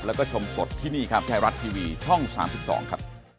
แล้วก็ชมสดที่นี่ครับไทยรัฐทีวีช่อง๓๒ครับ